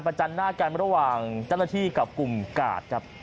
ประจัดหน้าการระหว่างเจ้าหน้าที่กับกลุ่มกาด